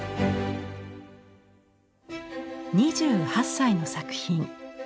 ２８歳の作品。